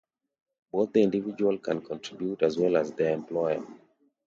Both the individual can contribute as well as their employer.